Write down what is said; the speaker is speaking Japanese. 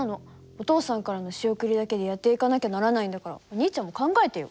お父さんからの仕送りだけでやっていかなきゃならないんだからお兄ちゃんも考えてよ。